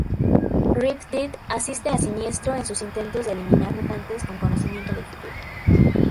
Riptide asiste a Siniestro en sus intentos de eliminar mutantes con conocimiento del futuro.